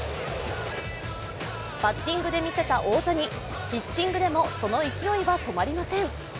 バッティングで見せた大谷、ピッチャーでもその勢いは止まりません。